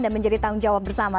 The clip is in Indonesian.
dan menjadi tanggung jawab bersama